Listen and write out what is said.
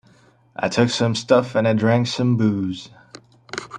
I took some stuff and I drank some booze.